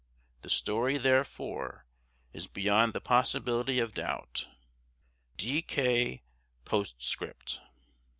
The story, therefore, is beyond the possibility of doubt. "D. K." POSTSCRIPT.